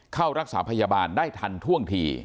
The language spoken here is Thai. เข้ารักษาพยาบาลได้ทันท่วงที